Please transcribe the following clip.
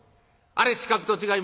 あれ刺客と違いますか？」。